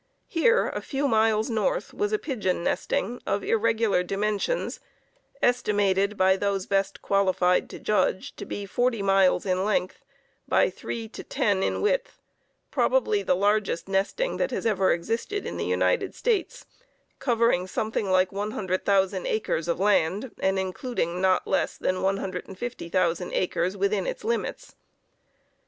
Here, a few miles north, was a pigeon nesting of irregular dimensions, estimated by those best qualified to judge, to be forty (40) miles in length, by three to ten in width, probably the largest nesting that has ever existed in the United States, covering something like 100,000 acres of land, and including not less than 150,000 acres within its limits.